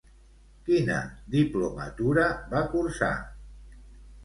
Quina diplomatura va cursar?